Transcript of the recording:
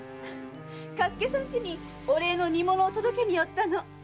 嘉助さんちにお礼の煮物を届けに寄ったの。